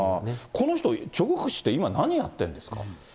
この人、チョ・グク氏って今、何やってるんですか。